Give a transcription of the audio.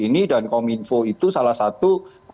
ini dan kominfo itu salah satu